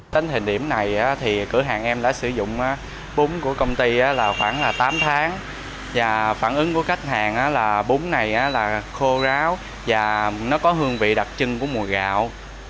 đến thời điểm này thì cửa hàng em đã sử dụng bún của công ty là khoảng tám tháng và phản ứng của khách hàng là bún này là khô ráo và nó có hương vị đặc trưng của mùa gạo